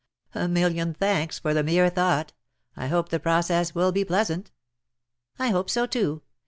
" A million thanks for the mere thought ! I hope the process will be pleasant." " I hope so, too.